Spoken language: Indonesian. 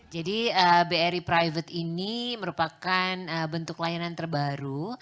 jadi bri private ini merupakan bentuk layanan terbaru